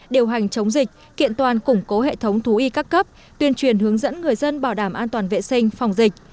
điều hành chống dịch kiện toàn củng cố hệ thống thú y các cấp tuyên truyền hướng dẫn người dân bảo đảm an toàn vệ sinh phòng dịch